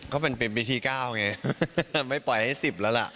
ก็เป็นวิธี๙ไงไม่ปล่อยให้๑๐แล้วล่ะ